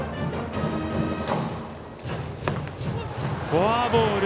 フォアボール。